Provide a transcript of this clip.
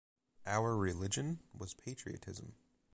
Our religion was patriotism.